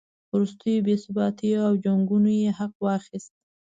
وروستیو بې ثباتیو او جنګونو یې حق واخیست.